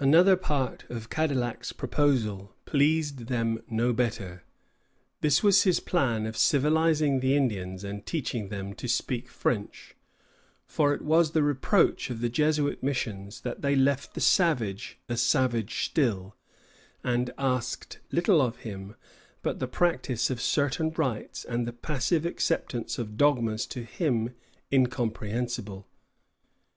Another part of Cadillac's proposal pleased them no better. This was his plan of civilizing the Indians and teaching them to speak French; for it was the reproach of the Jesuit missions that they left the savage a savage still, and asked little of him but the practice of certain rites and the passive acceptance of dogmas to him incomprehensible.